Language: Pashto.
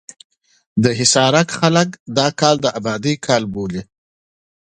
د حصارک خلک دا کال د ابادۍ کال بولي.